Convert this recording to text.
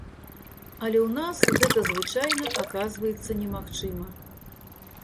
Але ў нас гэта звычайна аказваецца немагчыма.